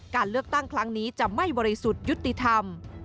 การเลือกตั้งครั้งนี้จะไม่บริสุทธิ์ยุติธรรม